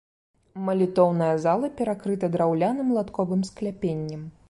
Малітоўная зала перакрыта драўляным латковым скляпеннем.